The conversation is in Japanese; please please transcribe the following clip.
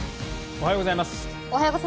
おはようございます。